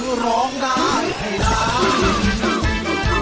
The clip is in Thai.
คือร้องได้ให้ร้าน